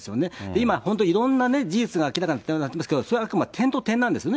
今、本当、いろんな事実が明らかになっていますけれども、それはあくまで点と点なんですよね。